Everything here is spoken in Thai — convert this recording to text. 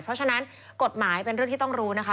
เพราะฉะนั้นกฎหมายเป็นเรื่องที่ต้องรู้นะคะ